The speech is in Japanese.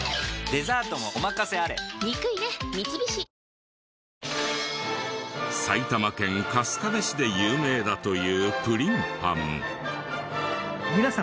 ＪＴ埼玉県春日部市で有名だというプリンパン。